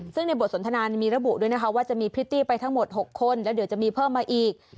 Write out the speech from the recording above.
ซึ่งในบทสนทนามีระบุด้วยนะคะว่าจะมีพริตตี้ไปทั้งหมด๖คนแล้วเดี๋ยวจะมีเพิ่มมาอีก